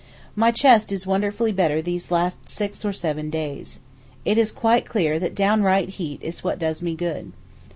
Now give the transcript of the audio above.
My chest is wonderfully better these last six or seven days. It is quite clear that downright heat is what does me good.